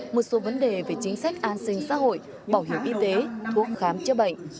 một số vấn đề về chính sách an sinh xã hội bảo hiểm y tế thuốc khám chữa bệnh